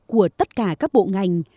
của tất cả các bộ ngành